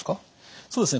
そうですね